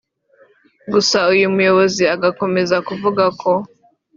Gusa uyu muyobozi agakomeza kuvuga ko